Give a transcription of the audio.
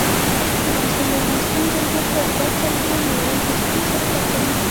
افغانستان د د افغانستان جلکو په برخه کې نړیوالو بنسټونو سره کار کوي.